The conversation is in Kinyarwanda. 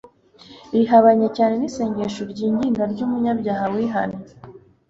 rihabanye cyane n'isengesho ryinginga ry'umunyabyaha wihannye